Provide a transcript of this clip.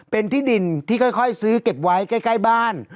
เป็นที่ดินที่ค่อยซื้อเก็บไว้ใกล้บ้าน